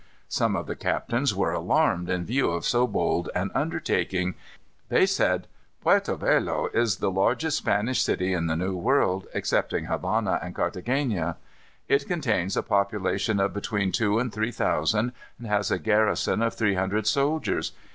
Some of the captains were alarmed in view of so bold an undertaking. They said: "Puerto Velo is the largest Spanish city in the New World excepting Havana and Carthagena. It contains a population of between two and three thousand, and has a garrison of three hundred soldiers.